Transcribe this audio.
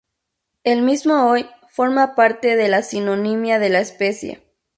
El mismo hoy forma parte de la sinonimia de la especie.